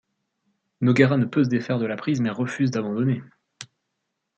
Nogueira ne peut se défaire de la prise mais refuse d'abandonner.